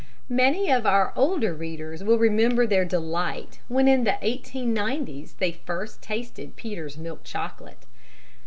Many of our older readers will remember their delight when in the eighteen nineties they first tasted Peter's milk chocolate.